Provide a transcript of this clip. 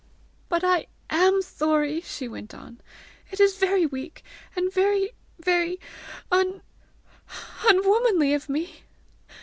"But I AM sorry!" she went on. "It is very weak, and very, very un un womanly of me!